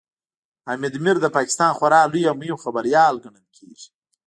حامد میر د پاکستان خورا لوی او مهم خبريال ګڼل کېږي